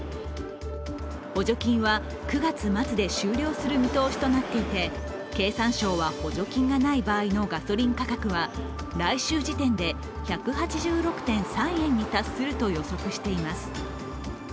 補助金は９月末で終了する見通しとなっていて、経産省は補助金がない場合のガソリン価格は来週時点で１８６．３円に達すると予測しています。